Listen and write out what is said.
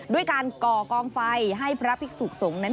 ด้วยการก่อกองไฟให้พระภิกษุสงฆ์นั้น